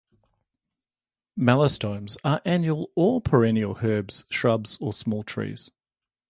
Melastomes are annual or perennial herbs, shrubs, or small trees.